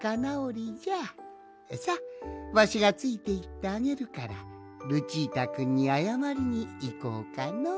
さわしがついていってあげるからルチータくんにあやまりにいこうかのう。